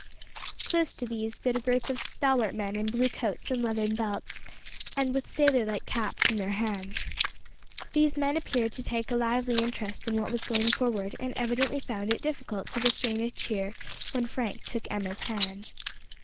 Close to these stood a group of stalwart men in blue coats and leathern belts, and with sailor like caps in their hands. These men appeared to take a lively interest in what was going forward, and evidently found it difficult to restrain a cheer when Frank took Emma's hand.